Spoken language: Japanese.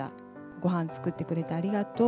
ごはん作ってくれてありがとう、